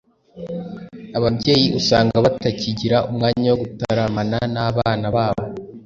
Ababyeyi usanga batakigira umwanya wo gutaramana n’abana babo